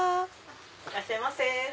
いらっしゃいませ。